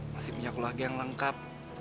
masih punya keluarga yang lengkap